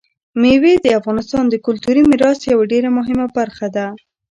مېوې د افغانستان د کلتوري میراث یوه ډېره مهمه برخه ده.